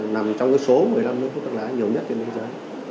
nằm trong số một mươi năm nước hút thuốc lá nhiều nhất trên thế giới